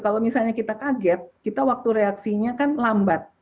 kalau misalnya kita kaget kita waktu reaksinya kan lambat